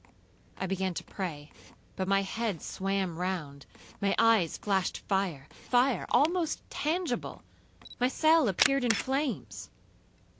I began to pray, but my head swam round, my eyes flashed fire,—fire almost tangible, my cell appeared in flames.